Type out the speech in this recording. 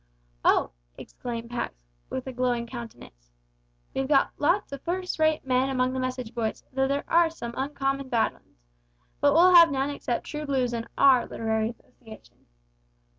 Oh!" exclaimed Pax, with a glowing countenance, "we've got lots o' first rate men among the message boys, though there are some uncommon bad 'uns. But we'll have none except true blues in our literary association."